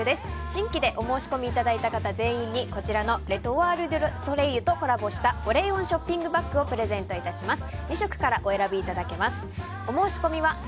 新規でお申し込みいただいた方全員に、こちらのレ・トワール・デュ・ソレイユとコラボした保冷温ショッピングバッグをプレゼント致します。